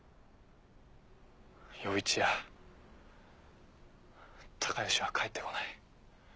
陽一や孝良は帰ってこない。